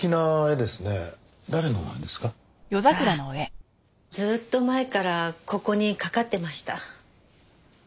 ずっと前からここに掛かってました。